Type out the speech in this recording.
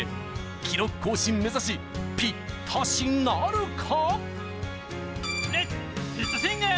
記録更新目指しピッタシなるか！？